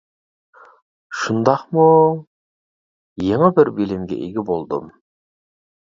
شۇنداقمۇ! ؟. يېڭى بىر بىلىمگە ئىگە بولدۇم.